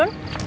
om kok turun